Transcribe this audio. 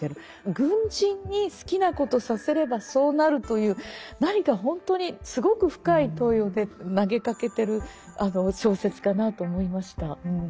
軍人に好きなことさせればそうなるという何か本当にすごく深い問いを投げかけてる小説かなと思いました。